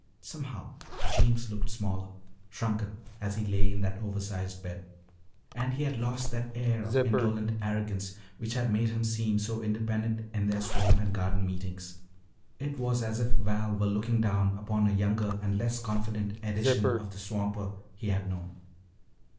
Somehow Jeems looked smaller, shrunken, as he lay in that oversized bed. And he had lost that air of indolent arrogance which had made him seem so independent in their swamp and garden meetings. It was as if Val were looking down upon a younger and less confident edition of the swamper he had known.